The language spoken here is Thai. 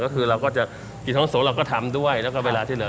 ก็คือเราก็จะกี่ท้องโซเราก็ทำด้วยแล้วก็เวลาที่เหลือ